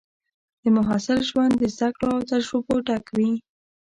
د محصل ژوند د زده کړو او تجربو ډک وي.